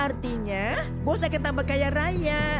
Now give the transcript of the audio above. artinya bos akan tambah kaya raya